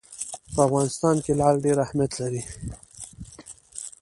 په افغانستان کې لعل ډېر اهمیت لري.